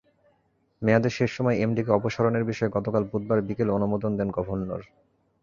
মেয়াদের শেষ সময়ে এমডিকে অপসারণের বিষয়ে গতকাল বুধবার বিকেলে অনুমোদন দেন গভর্নর।